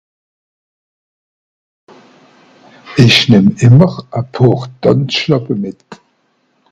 Ìch nemm ìmmer e (...) mìt.